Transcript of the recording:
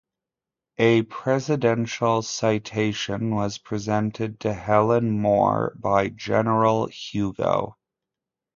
A Presidential citation was presented to Helen Moore by General Hugo.